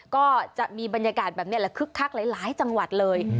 ก็จะมีบรรยากาศแบบนี้แหละคึกคักหลายจังหวัดเลย